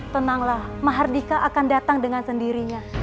tenanglah mbah hardika akan datang dengan sendirinya